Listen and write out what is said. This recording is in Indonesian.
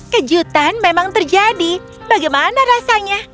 kejutan memang terjadi bagaimana rasanya